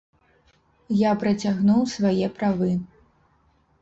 Я працягнуў свае правы.